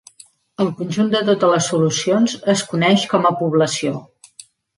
El conjunt de totes les solucions es coneix com a "població".